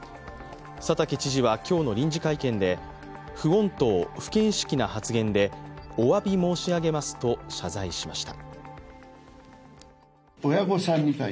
佐竹知事は今日の臨時会見で、不穏当、不見識な発言で、おわび申し上げますと謝罪しました。